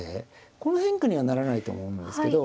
この変化にはならないと思うんですけど